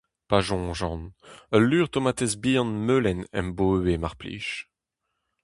Pa soñjan, ul lur tomatez bihan melen am bo ivez mar plij.